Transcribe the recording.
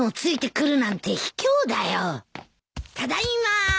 ただいま。